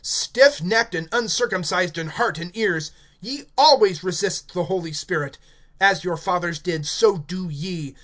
(51)Stiff necked, and uncircumcised in heart and ears! Ye always resist the Holy Spirit; as your fathers did, so do ye.